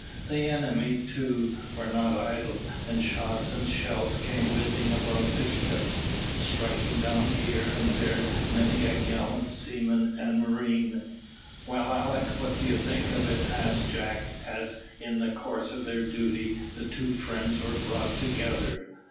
The enemy, too, were not idle, and shots and shell came whizzing about the ships, striking down here and there many a gallant seaman and marine. "Well, Alick, what do you think of it?" asked Jack, as, in the course of their duty, the two friends were brought together.